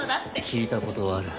聞いたことはある。